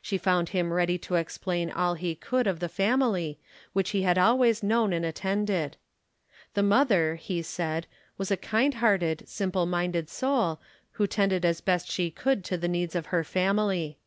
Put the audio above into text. She found him ready to explain all he could of the family which he had always known and attended. "The mother, " he said, "was a kind hearted, simple minded soul, who tended as best she could to the needs of her family."